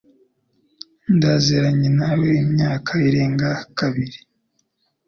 Ndaziranye nawe imyaka irenga kabiri